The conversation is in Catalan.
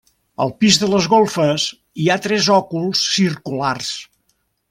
Al pis de les golfes hi ha tres òculs circulars.